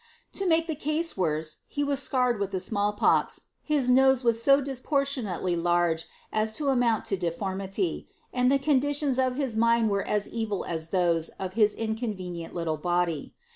To make the case worse, he was •cured with the smaH pox, his nose wa* *o disproportionately large as to amount to deformity, and the conditions of his mind were as enl as those of his inconvenient little body.